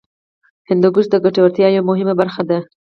هندوکش د ګټورتیا یوه مهمه برخه ده.